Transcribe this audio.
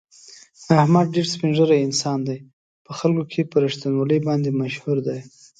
احمد ډېر سپین زړی انسان دی، په خلکو کې په رښتینولي باندې مشهور دی.